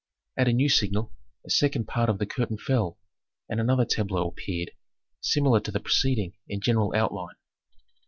At a new signal a second part of the curtain fell, and another tableau appeared, similar to the preceding in general outline.